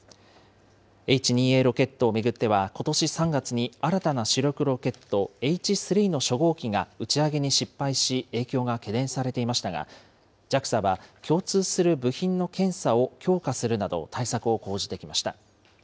Ｈ２Ａロケットを巡ってはことし３月に新たな主力ロケットＨ３の初号機が打ち上げに失敗し、影響が懸念されていましたが、ＪＡＸＡは共通する部品の検査を強化するなど、対策を講じてきました。